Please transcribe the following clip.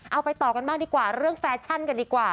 เอาไปต่อกันบ้างดีกว่าเรื่องแฟชั่นกันดีกว่า